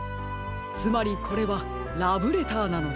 つまりこれはラブレターなのです。